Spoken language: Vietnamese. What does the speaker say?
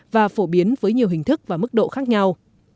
và phổ biến với nhiều hình thức và mức độ khác nhau